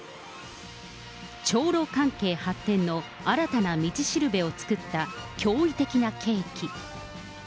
朝ロ関係発展の新たな道しるべを作った驚異的な契機。